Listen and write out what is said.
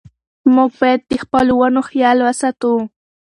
موږ باید د خپلو ونو خیال وساتو.